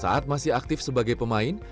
saat masih aktif sebagai pemain